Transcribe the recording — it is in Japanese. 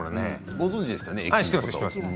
ご存じでしたね。